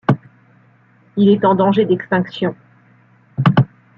Il est en danger d'extinction.